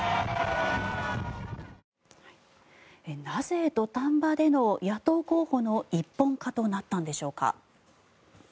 なぜ、土壇場での野党候補の一本化となったんでしょうか。